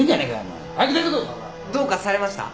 どうかされました？